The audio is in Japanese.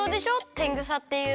てんぐさっていう。